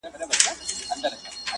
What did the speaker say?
بل جهان بل به نظام وي چي پوهېږو!.